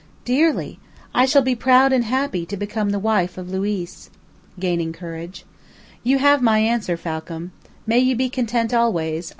"Dearly. I shall be proud and happy to become the wife of Luiz," gaining courage. "You have my answer, Falcam. May you be content always.